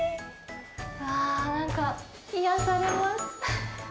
わー、なんか、癒やされます。